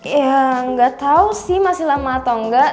ya gak tau sih masih lama atau enggak